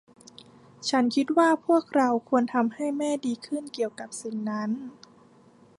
ฉันคิดว่าพวกเราควรทำให้แม่ดีขึ้นเกี่ยวกับสิ่งนั้น